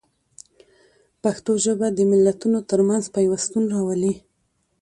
پښتو ژبه د ملتونو ترمنځ پیوستون راولي.